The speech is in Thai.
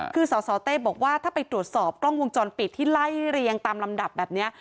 คือสสเต้บอกว่าถ้าไปตรวจสอบกล้องวงจรปิดที่ไล่เรียงตามลำดับแบบนี้